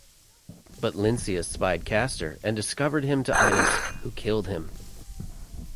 But Lynceus spied Castor and discovered him to Idas, who killed him.